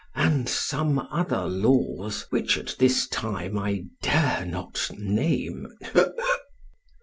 and some other laws, which at this time I dare not name.